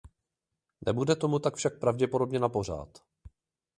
Nebude tomu tak však pravděpodobně napořád.